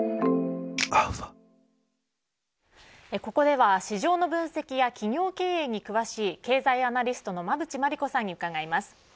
ここでは市場の分析や企業経営に詳しい経済アナリストの馬渕磨理子さんに伺います。